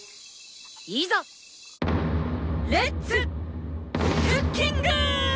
レッツクッキング！